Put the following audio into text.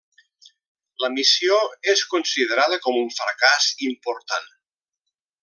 La missió és considerada com un fracàs important.